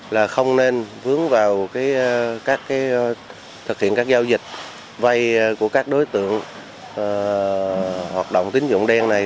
là không nên vướng vào thực hiện các giao dịch vay của các đối tượng hoạt động tín dụng đen này